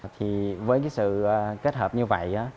thì với cái sự kết hợp như vậy á